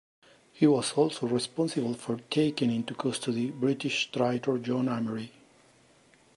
He was also responsible for taking into custody British traitor John Amery.